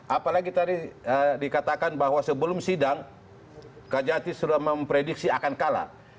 apalagi tadi dikatakan bahwa sebelum sidang kajati sudah memprediksi akan kalah